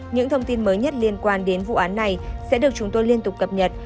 những thông tin mới nhất liên quan đến vụ án này sẽ được chúng tôi liên tục cập nhật